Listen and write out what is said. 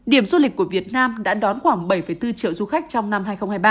điểm du lịch của việt nam đã đón khoảng bảy bốn triệu du khách trong năm hai nghìn hai mươi ba